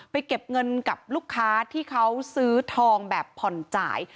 เก็บเงินกับลูกค้าที่เขาซื้อทองแบบผ่อนจ่าย